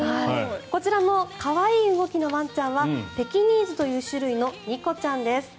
こちらの可愛い動きのワンちゃんはペキニーズという種類のニコちゃんです。